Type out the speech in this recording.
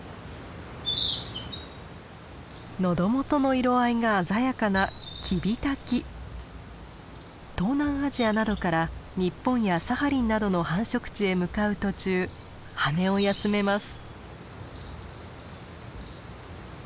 喉元の色合いが鮮やかな東南アジアなどから日本やサハリンなどの繁殖地へ向かう途中羽を休めます。